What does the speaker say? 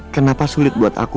kenapa sulit buat aku